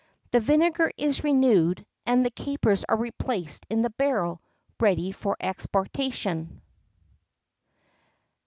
The vinegar is renewed, and the capers are replaced in the barrel, ready for exportation.